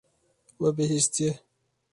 We bihîstiye.